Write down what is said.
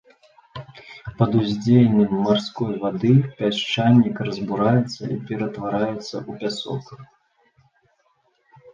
Пад уздзеяннем марской вады пясчанік разбураецца і ператвараецца ў пясок.